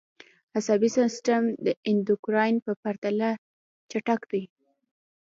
عصبي سیستم د اندوکراین په پرتله چټک دی